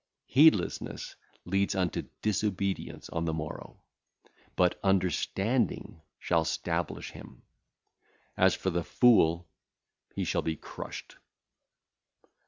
Heedlessness leadeth unto disobedience on the morrow; but understanding shall stablish him. As for the fool, he shall be crushed.